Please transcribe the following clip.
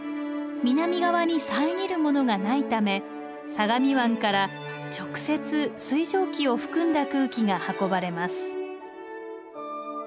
南側に遮るものがないため相模湾から直接水蒸気を含んだ空気が運ばれます。